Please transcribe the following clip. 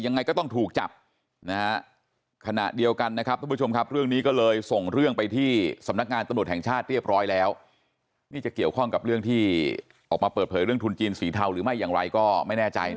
ยังไงก็ต้องถูกจับขณะเดียวกันนะครับท่านผู้ชมครับ